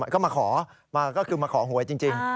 ก็มาขอมาก็คือมาขอหวยจริง